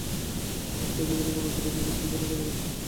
আত্মা অধিকতর পূর্ণতার অভিব্যক্তির জন্য ক্রমাগত চেষ্টা করিয়া চলিয়াছে।